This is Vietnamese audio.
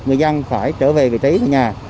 người dân phải trở về vị trí nhà